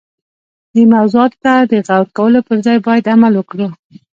دې موضوعاتو ته د غور کولو پر ځای باید عمل وکړو.